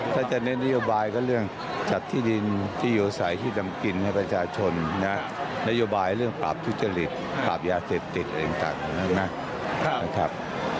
ถ้าจะเน้นนโยบายก็เรื่องจัดที่ดินที่อยู่อาศัยที่ดำกินให้ประชาชนนะนโยบายเรื่องปราบทุจริตปราบยาเสพติดอะไรต่างนะครับ